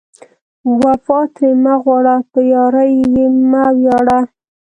وفا ترې مه غواړه، په یارۍ یې مه ویاړه